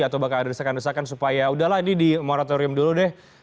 atau bakal ada desakan desakan supaya udahlah ini di moratorium dulu deh